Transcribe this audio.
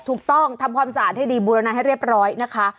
ทำความสะอาดให้ดีบูรณาให้เรียบร้อยนะคะ